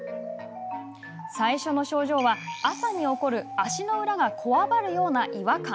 最初の症状は、朝に起こる足の裏がこわばるような違和感。